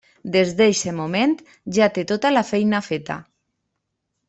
Des d'eixe moment, ja té tota la feina feta.